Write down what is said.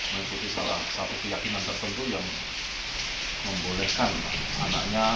mengikuti salah satu keyakinan tertentu yang membolehkan anaknya